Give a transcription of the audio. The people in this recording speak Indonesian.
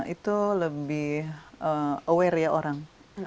itu lebih aware ya orang